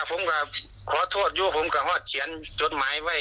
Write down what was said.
ผมก็ขอโทษอยู่ผมก็เขียนจดหมายไว้